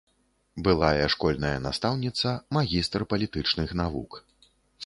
Былая школьная настаўніца, магістр палітычных навук.